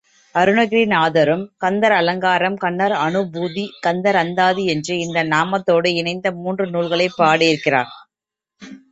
அருணகிரிநாதரும் கந்தர் அலங்காரம், கந்தர் அநுபூதி, கந்தர் அந்தாதி என்று இந்த நாமத்தோடு இணைந்த மூன்று நூல்களைப் பாடியிருக்கிறார்.